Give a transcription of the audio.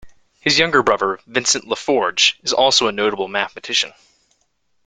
His younger brother Vincent Lafforgue is also a notable mathematician.